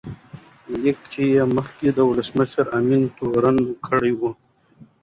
لیک کې یې مخکینی ولسمشر امین تورن کړی و.